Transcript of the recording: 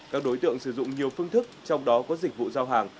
các đối tượng sử dụng nhiều phương thức trong đó có dịch vụ giao hàng